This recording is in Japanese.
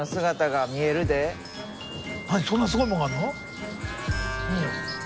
何そんなにすごいものがあるの？